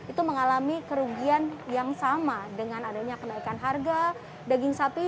itu mengalami kerugian yang sama dengan adanya kenaikan harga daging sapi